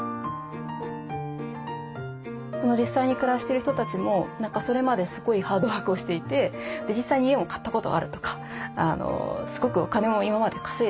実際に暮らしてる人たちも何かそれまですごいハードワークをしていて実際に家も買ったことあるとかすごくお金も今まで稼いでた。